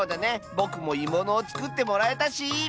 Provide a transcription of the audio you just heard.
ぼくもいものをつくってもらえたし！